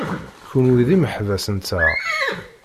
Kenwi d imeḥbas-nteɣ.